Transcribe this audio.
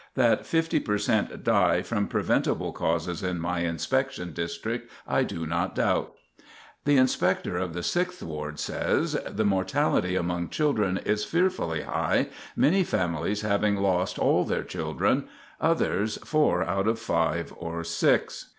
That fifty per cent die from preventable causes in my inspection district I do not doubt." The Inspector of the Sixth Ward says: "The mortality among children is fearfully high, many families having lost all their children; others four out of five or six."